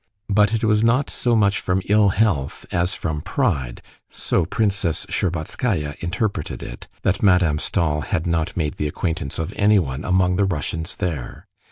But it was not so much from ill health as from pride—so Princess Shtcherbatskaya interpreted it—that Madame Stahl had not made the acquaintance of anyone among the Russians there.